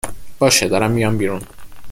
باشه ، دارم میام بیرون